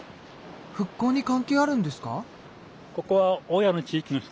復興に関係あるんですか？